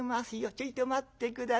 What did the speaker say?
ちょいと待って下さい。